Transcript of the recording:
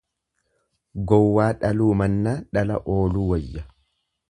Gowwaa dhaluu mannaa dhala ooluu wayya.